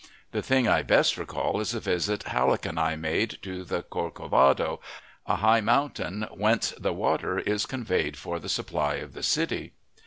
The thing I best recall is a visit Halleck and I made to the Corcovado, a high mountain whence the water is conveyed for the supply of the city.